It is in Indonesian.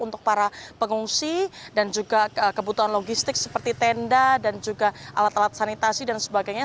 untuk para pengungsi dan juga kebutuhan logistik seperti tenda dan juga alat alat sanitasi dan sebagainya